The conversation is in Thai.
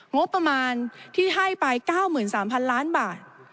งบประมาณที่ให้ไป๙๓๐๐๐ล้านบาท